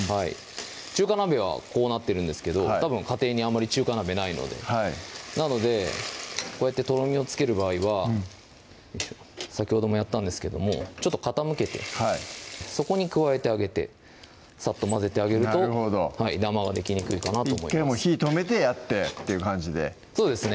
中華鍋はこうなってるんですけどたぶん家庭にあんまり中華鍋ないのでなのでこうやってとろみをつける場合は先ほどもやったんですけどもちょっと傾けてそこに加えてあげてサッと混ぜてあげるとダマはできにくいかなと１回火止めてやってという感じでそうですね